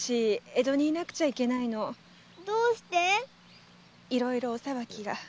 いろいろお裁きが。